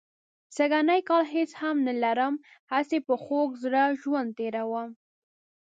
سږنی کال هېڅ هم نه لرم، هسې په خوږ زړه ژوند تېروم.